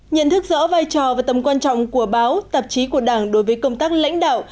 nhận thức rõ vai trò và tầm quan trọng của báo tạp chí của đảng đối với công tác lãnh đạo